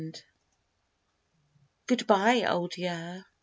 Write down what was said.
1917 Good bye, Old Year.